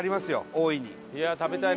大いに。